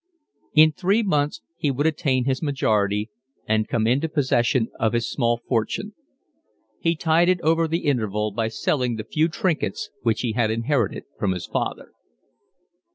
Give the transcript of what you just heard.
In three months he would attain his majority and come into possession of his small fortune. He tided over the interval by selling the few trinkets which he had inherited from his father.